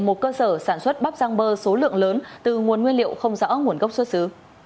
một cơ sở sản xuất bắp giang bơ số lượng lớn từ nguồn nguyên liệu không rõ nguồn gốc xuất xứ